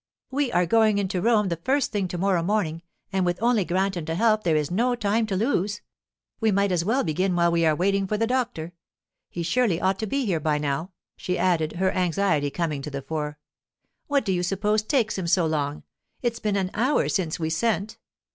'We are going into Rome the first thing to morrow morning, and with only Granton to help there is no time to lose. We might as well begin while we are waiting for the doctor—he surely ought to be here by now,' she added, her anxiety coming to the fore. 'What do you suppose takes him so long? It's been an hour since we sent.